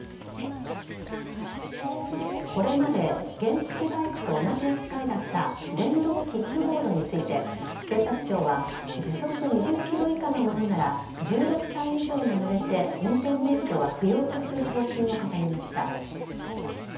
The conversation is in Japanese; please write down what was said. これまで原付バイクと同じ扱いだった電動キックボードについて警察庁は時速２０キロ以下のものなら１６歳以上が乗れて運転免許は不要とする方針を固めました。